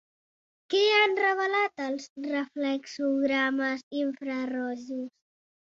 Què han revelat els reflexogrames infrarojos?